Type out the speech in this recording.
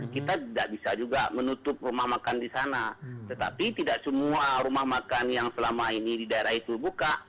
kita tidak bisa juga menutup rumah makan di sana tetapi tidak semua rumah makan yang selama ini di daerah itu buka